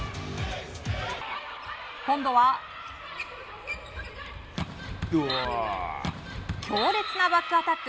今度は強烈なバックアタック！